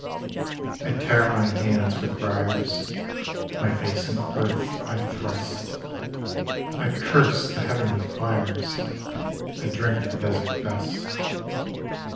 I tear my hands with briars, My face in earth I thrust; I curse the heav'nly fires, I drink the desert dust.